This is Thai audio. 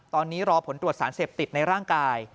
ตอนนี้รอผลตรวจสารเสพติดในร่างกาย